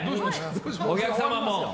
お客様も。